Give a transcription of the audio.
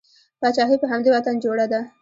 پاچاهي په همدې وطن جوړه ده.